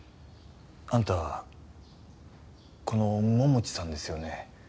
あんたこのモモチさんですよね？